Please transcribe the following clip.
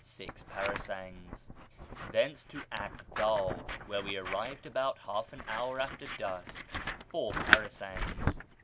six parasangs. Thence to Aghda, where we arrived about half an hour after dusk, four parasangs.